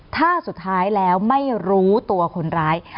ถ้าสุดท้ายแล้วไม่รู้ตัวคนร้าย